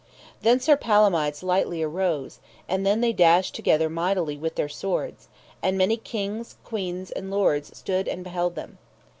Then Sir Palomides lightly arose, and then they dashed together mightily with their swords; and many kings, queens, and lords, stood and beheld them.